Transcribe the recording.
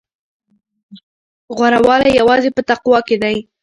غوره والی یوازې په تقوی کې دی.